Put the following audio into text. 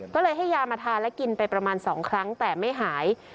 ก็เลยให้ยามาทานและกินไปประมาณ๒ครั้งแต่ไม่หาย